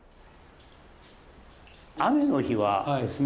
雨の日はですね